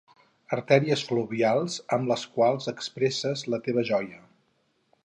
Artèries fluvials amb les quals expresses la teva joia.